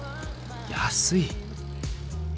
安い。